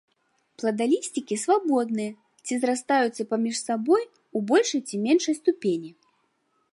Пладалісцікі свабодныя ці зрастаюцца паміж сабой у большай ці меншай ступені.